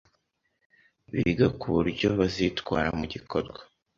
biga ku buryo bazitwara mu gikorwa